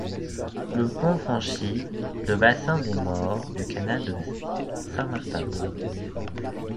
Le pont franchit le bassin des Morts du canal Saint-Martin.